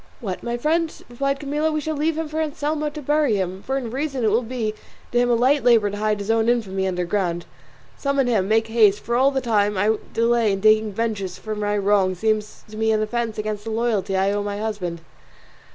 "What, my friend?" replied Camilla, "we shall leave him for Anselmo to bury him; for in reason it will be to him a light labour to hide his own infamy under ground. Summon him, make haste, for all the time I delay in taking vengeance for my wrong seems to me an offence against the loyalty I owe my husband."